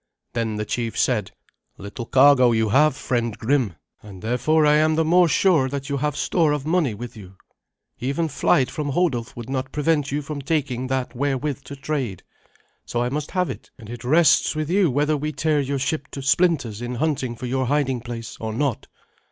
Then the chief said, "Little cargo have you, friend Grim, and therefore I am the more sure that you have store of money with you. Even flight from Hodulf would not prevent you from taking that wherewith to trade. So I must have it; and it rests with you whether we tear your ship to splinters in hunting for your hiding place or not."